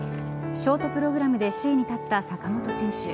ショートプログラムで首位に立った坂本選手。